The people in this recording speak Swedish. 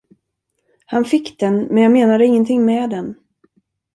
Han fick den, men jag menade ingenting med den.